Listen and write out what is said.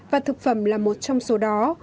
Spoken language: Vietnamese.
và thực phẩm là một trong số đó